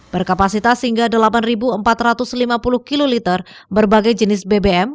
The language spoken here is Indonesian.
berkapasitas hingga delapan empat ratus lima puluh kiloliter berbagai jenis bbm